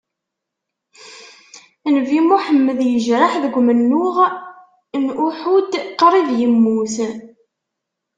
Nnbi Muḥemmed yejreḥ deg umennuɣ n Uḥud, qrib yemmut.